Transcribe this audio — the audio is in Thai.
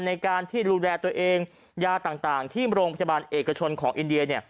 ในการที่ดูแลตัวเองยาต่างที่โรงพยาบาลเอกชนของอินเดียเนี่ย